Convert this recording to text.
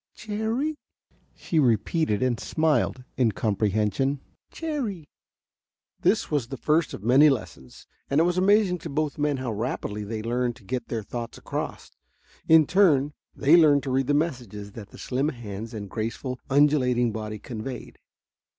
"Cherrie," she repeated, and smiled in comprehension. "Cherrie." This was the first of many lessons, and it was amazing to both men how rapidly they learned to get their thoughts across. In turn, they learned to read the messages that the slim hands and graceful, undulating body conveyed.